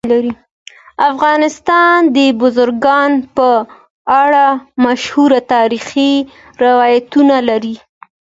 افغانستان د بزګانو په اړه مشهور تاریخي روایتونه لري.